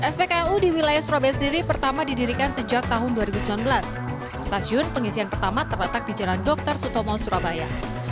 spklu di wilayah surabaya sendiri pertama didirikan sejak tahun dua ribu sembilan belas stasiun pengisian pertama terletak di jalan dr sutomo surabaya